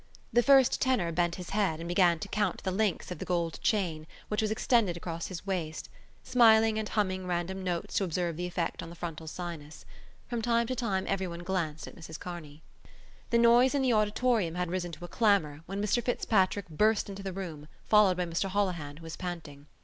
The first tenor bent his head and began to count the links of the gold chain which was extended across his waist, smiling and humming random notes to observe the effect on the frontal sinus. From time to time everyone glanced at Mrs Kearney. The noise in the auditorium had risen to a clamour when Mr Fitzpatrick burst into the room, followed by Mr Holohan, who was panting.